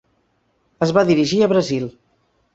Es va dirigir a Brasil.